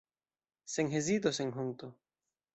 Sen hezito, sen honto!